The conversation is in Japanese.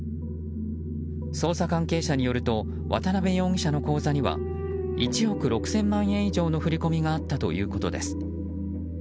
捜査関係者によると渡辺容疑者の口座には１億６０００万円以上の振り込みがあったということです。